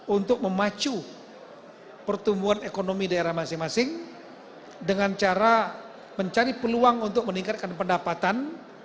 untuk memacu pertumbuhan ekonomi daerah masing masing dengan cara mencari peluang untuk meningkatkan pendapatan